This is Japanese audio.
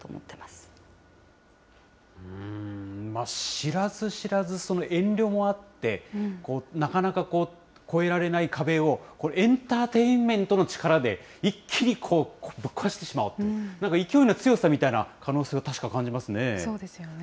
知らず知らず遠慮もあって、なかなか越えられない壁を、エンターテインメントの力で一気にぶっ壊してしまおうと、なんか勢いの強さみたいな可能性を確かに感じますね。